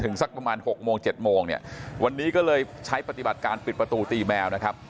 สักประมาณหกโมงเจ็ดโมงเนี่ยวันนี้ก็เลยใช้ปฏิบัติการปิดประตูตีแมวนะครับ